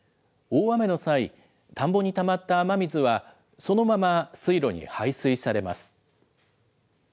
大雨の際、田んぼにたまった雨水は、そのまま水路に排水されます。